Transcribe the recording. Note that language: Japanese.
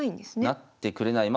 成ってくれない。